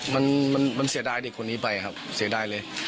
มันมันเสียดายเด็กคนนี้ไปครับเสียดายเลย